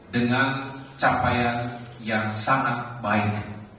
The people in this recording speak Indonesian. dengan capaian yang sangat baik